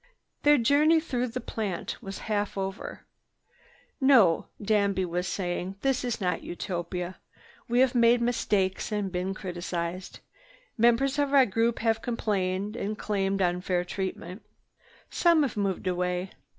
Their journey through the plant was half over. "No," Danby Force was saying, "this is not Utopia. We have made mistakes and been criticized. Members of our group have complained and claimed unfair treatment. Some have moved away.